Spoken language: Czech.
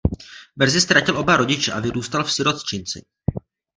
Brzy ztratil oba rodiče a vyrůstal v sirotčinci.